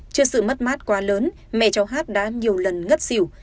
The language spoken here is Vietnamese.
trước sự mất mát quá lớn mẹ cháu hát đã nhiều lần ngất xỉu